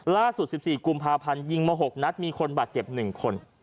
ล่าสุด๑๔กุมภาพันธ์ยิงมา๖นัดมีคนบาดเจ็บ๑คน